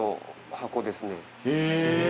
箱ですね。